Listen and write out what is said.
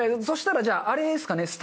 そしたらじゃああれですかね